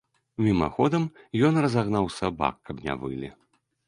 Мімаходам ён разагнаў сабак, каб не вылі.